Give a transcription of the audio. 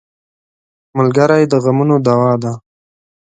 ملګری د غمونو دوا ده.